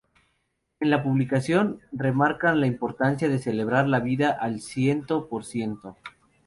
En la publicación, remarcan la importancia de celebrar la vida al ciento por ciento.